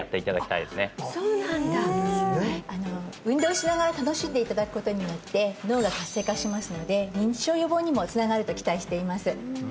運動しながら楽しんでいただくことによって脳が活性化しますので認知症予防にもつながると期待しています